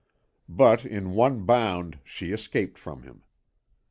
But in one bound she escaped from him.